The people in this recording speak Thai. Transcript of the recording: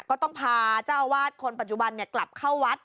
ก็ต้องพาเจ้าอาวาสคนปัจจุบันกลับเข้าวัด